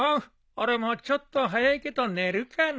俺もちょっと早いけど寝るかな。